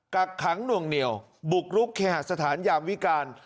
กักขังหน่วงเหนียวบุกรุกเคหาสถานยามวิการ